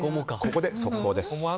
ここで速報です。